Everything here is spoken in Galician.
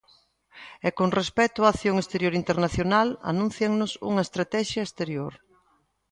E con respecto á acción exterior internacional, anúncianos unha estratexia exterior.